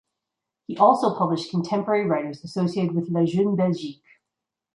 He also published contemporary writers associated with La Jeune Belgique.